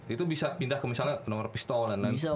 itu bisa pindah ke misalnya nomor pistol dan lain lain